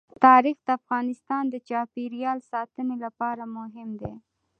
تاریخ د افغانستان د چاپیریال ساتنې لپاره مهم دي.